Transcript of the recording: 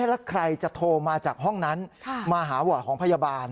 แล้วใครจะโทรมาจากห้องนั้นมาหาวอร์ดของพยาบาล